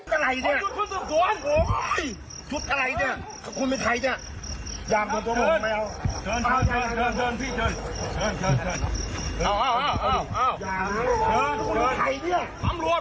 อันที่๘คุณเจอบัตรมาขอไปที่ดาลค่ะ